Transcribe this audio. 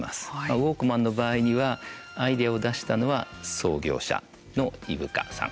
ウォークマンの場合にはアイデアを出したのは創業者の井深さん。